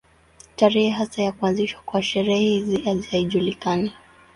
Tarehe hasa ya kuanzishwa kwa sherehe hizi haijulikani.